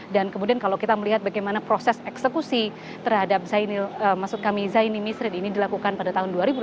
dan kemudian kalau kita melihat bagaimana proses eksekusi terhadap zaini nisrin ini dilakukan pada tahun dua ribu delapan belas